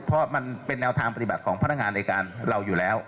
เพราะมันเป็นแนวทางปฏิบัติของพนักงานในการเราอยู่แล้ว